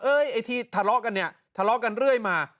ไอ้ที่ทะเลาะกันเนี่ยทะเลาะกันเรื่อยมา